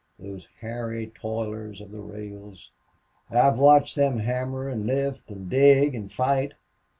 Those hairy toilers of the rails! I've watched them hammer and lift and dig and fight.